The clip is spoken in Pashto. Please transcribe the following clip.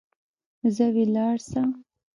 ځه ولاړ سه.